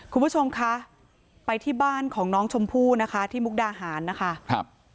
คุณผู้ชมคะไปที่บ้านของน้องชมพู่นะคะที่มุกดาหารนะคะครับ